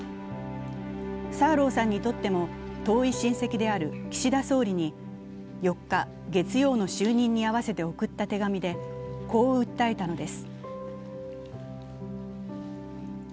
サーローさんにとっても遠い親戚である岸田総理に４日、月曜の就任に合わせて送った手紙でこう訴えたのです。